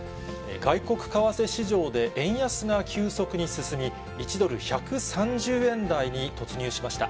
外国為替市場で円安が急速に進み、１ドル１３０円台に突入しました。